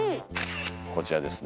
こちらですね。